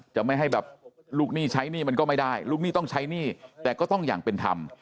จะไม่ให้แบบลูกหนี้ใช้หนี้มันก็ไม่ได้ลูกหนี้ต้องใช้หนี้แต่ก็ต้องอย่างเป็นธรรม